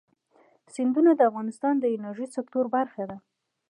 سیندونه د افغانستان د انرژۍ سکتور برخه ده.